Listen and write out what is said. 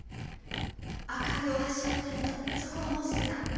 赤い大橋を渡るとそこはもうすぐだ。